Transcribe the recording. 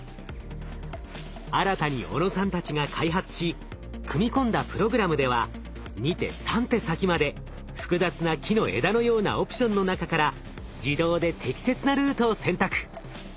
新たに小野さんたちが開発し組み込んだプログラムでは２手３手先まで複雑な木の枝のようなオプションの中から自動で適切なルートを選択。